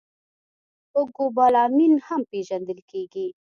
په کوبالامین هم پېژندل کېږي